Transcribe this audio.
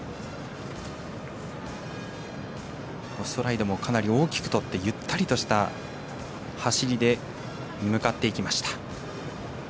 ストライドもかなり大きくとってゆったりとした走りで向かっていきました。